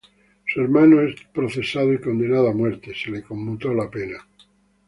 Su hermano es procesado y condenado a muerte, se le conmutó la pena.